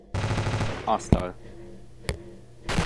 Asztal.